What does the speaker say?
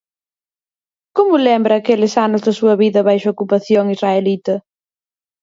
Como lembra aqueles anos da súa vida baixo a ocupación israelita?